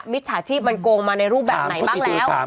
มิถสาธิตมันกลงมาในรูปแบบไหนบ้างแล้ว